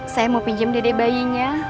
saya mau pinjam dede bayinya